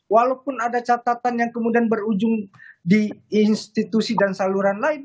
walaupun ada catatan yang kemudian berujung di institusi dan saluran lain